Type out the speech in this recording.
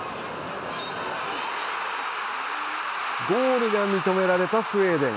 ゴールが認められたスウェーデン。